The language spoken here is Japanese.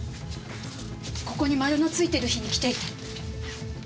ここにマルのついてる日に来ていて。